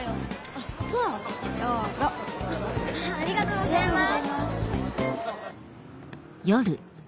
ありがとうございます。